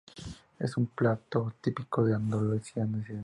Es un plato típico de Andalucía Occidental.